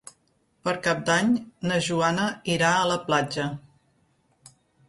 Per Cap d'Any na Joana irà a la platja.